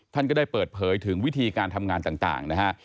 ท่านก็ได้เปิดเผยถึงวิธีการทำงานต่างนะฮะ